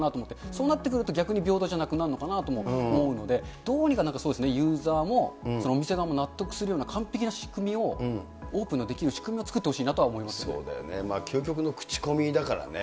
そうなってくると逆に平等じゃなくなるのかなとも思うので、どうにか、ユーザーもお店側も納得するような完璧な仕組みを、オープンにできる仕組みを作ってそうだよね、究極の口コミだからね。